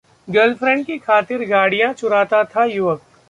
girlfriend की खातिर गाड़ियां चुराता था युवक